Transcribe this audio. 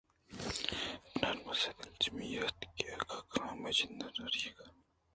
بناربس دلجم اِنت کہ آ کلام ءِ جندءَ شرّیءَ پجّاہ کاریت